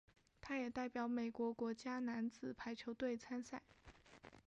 他也代表美国国家男子排球队参赛。